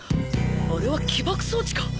あれは起爆装置か？